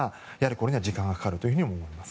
これは時間がかかると思います。